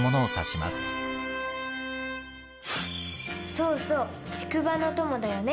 そうそう「竹馬の友」だよね。